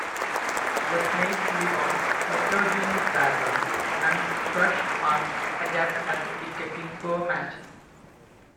The snails live on heterogeneous backgrounds, and thrush are adept at detecting poor matches.